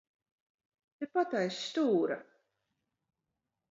Tepat aiz stūra.